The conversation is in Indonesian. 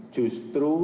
justru diberikan oleh bbm